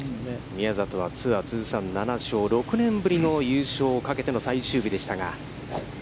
宮里は６年ぶりの優勝をかけての最終日でしたが。